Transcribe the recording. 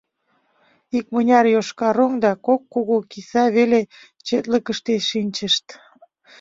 Икмыняр йошкароҥ да кок кугу киса веле четлыкыште шинчышт.